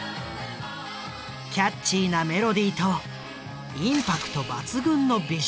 キャッチーなメロディーとインパクト抜群のビジュアル。